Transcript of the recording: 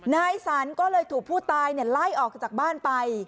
นายสรรก็เลยถูกผู้ตายไล่ออกจากบ้านไป